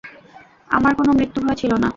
আমার কোনো মৃত্যুভয় ছিল না।